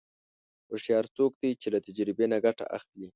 هوښیار څوک دی چې له تجربې نه ګټه اخلي.